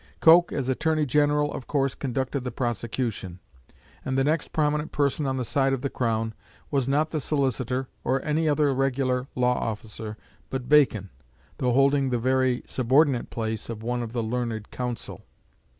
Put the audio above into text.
Coke, as Attorney General, of course conducted the prosecution; and the next prominent person on the side of the Crown was not the Solicitor, or any other regular law officer, but Bacon, though holding the very subordinate place of one of the "Learned Counsel."